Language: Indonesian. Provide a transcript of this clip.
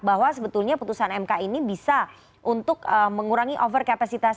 bahwa sebetulnya putusan mk ini bisa untuk mengurangi over capacity